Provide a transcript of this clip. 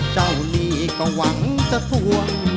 เจ้านี่ก็หวังจะทวง